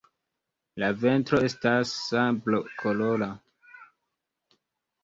La ventro estas sablokolora.